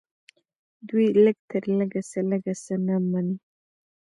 دوی د لږ تر لږه څخه لږ څه نه مني